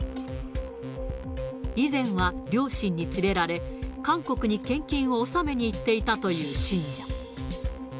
以前は両親に連れられ、韓国に献金を納めに行っていたという信者。